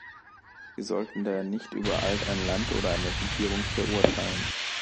Wir sollten daher nicht übereilt ein Land oder eine Regierung verurteilen.